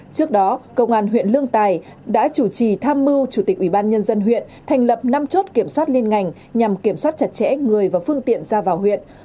trước đó công an huyện lương tài đã chủ trì tham mưu chủ tịch ubnd huyện thành lập năm chốt kiểm soát liên ngành nhằm kiểm soát chặt chẽ người và phương tiện ra vào huyện